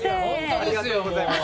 ありがとうございます。